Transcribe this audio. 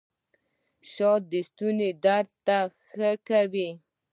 شات د ستوني درد ښه کوي